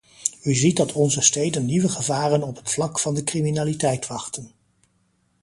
U ziet dat onze steden nieuwe gevaren op het vlak van de criminaliteit wachten.